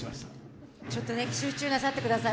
ちょっと集中なさってください。